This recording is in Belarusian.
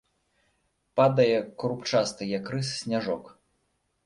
Падае крупчасты, як рыс, сняжок.